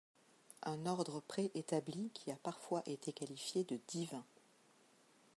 Un ordre pré-établi qui a parfois été qualifié de 'divin'.